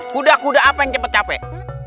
kuda kuda apa yang cepat capek